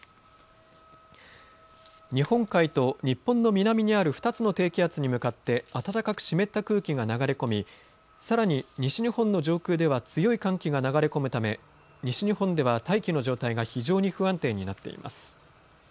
日本海と日本の南にある２つの低気圧に向かって暖かく湿った空気が流れ込みさらに西日本の上空では強い寒気が流れ込むため西日本では大気の状態が非常に不安定になっています。